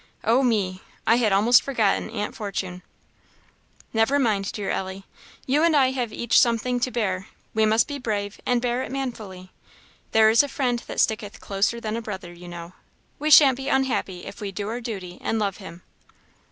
O me! I had almost forgotten Aunt Fortune!" "Never mind, dear Ellie! You and I have each something to bear we must be brave, and bear it manfully. There is a Friend that sticketh closer than a brother, you know. We shan't be unhappy if we do our duty and love Him."